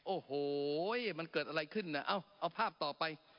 โอ๊ยมันเกิดอะไรขึ้นเอ้าเอาภาพต่อไป